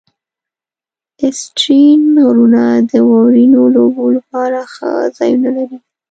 آسټرین غرونه د واورینو لوبو لپاره ښه ځایونه دي.